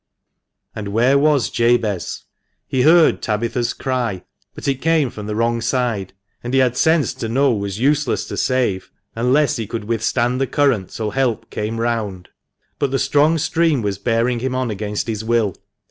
And where was Jabez ? He heard Tabitha's cry, but it came from the wrong side, and he had sense to know was useless to save, unless he could withstand the current till help came round. But the strong stream was bearing him on against his will.